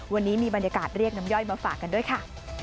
วันนี้มีบรรยากาศเรียกน้ำย่อยมาฝากกันด้วยค่ะ